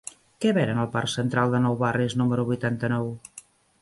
Què venen al parc Central de Nou Barris número vuitanta-nou?